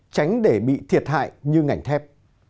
tránh để bị thiệt hại như ngành thép